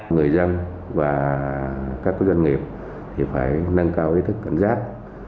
người dân và các doanh nghiệp phải nâng cao ý thức cảnh giác